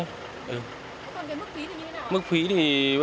còn cái mức phí thì như thế nào